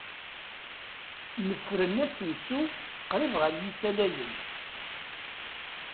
Nefren asensu qrib ɣer yisalayen.